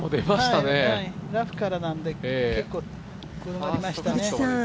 ラフからなんで結構、転がりましたね。